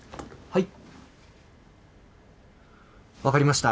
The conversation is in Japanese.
はい。